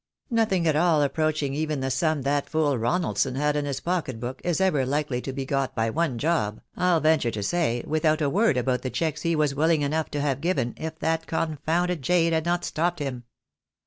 Nothing at all approaching even the sum that fool Ronaldson had in his pocket book is ever hkely to be got by one job, I'll venture to say, without a word about the checks he was wilhng enough to have given if that confounded jade had not stopped him.